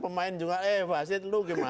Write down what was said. pemain juga eh wasit lu gimana